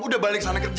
udah balik sana kerja